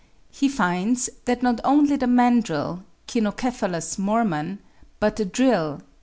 He finds that not only the mandrill (Cynocephalus mormon) but the drill (C.